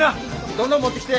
どんどん持ってきて。